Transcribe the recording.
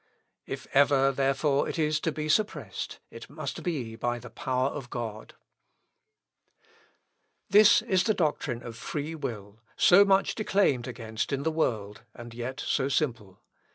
If ever, therefore, it is to be suppressed, it must be by the power of God. Philippians, ii, 13. This is the doctrine of free will, so much declaimed against in the world, and yet so simple.